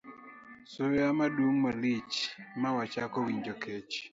Suya madum malich ma wachako winjo kech